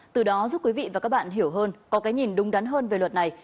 từ đó giúp quý vị và các bạn hiểu hơn có cái nhìn đúng đắn hơn về luật này